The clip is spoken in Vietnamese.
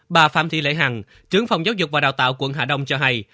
bà phạm thị lệ hằng trưởng phòng giáo dục và đào tạo quận hà đông cho hay